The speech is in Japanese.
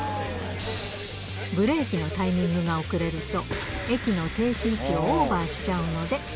ブレーキのタイミングが遅れると、駅の停止位置をオーバーしちゃうので。